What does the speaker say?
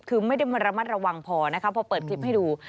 คือไม่ได้มาระมัดระวังพอนะคะพอเปิดคลิปให้ดู